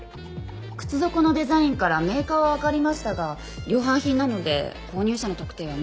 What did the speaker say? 靴底のデザインからメーカーはわかりましたが量販品なので購入者の特定は難しいと思われます。